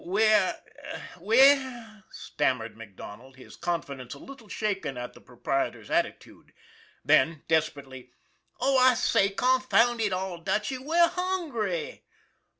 " We're we're " stammered MacDonald, his confidence a little shaken at the proprietor's attitude. Then, desperately :" Oh, I say, confound it all, Dutchy, we're hungry."